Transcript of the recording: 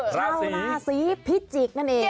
ชาวราศีพิจิกษ์นั่นเอง